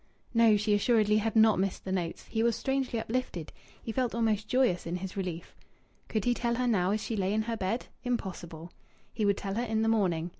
No, she assuredly had not missed the notes! He was strangely uplifted. He felt almost joyous in his relief. Could he tell her now as she lay in her bed? Impossible! He would tell her in the morning.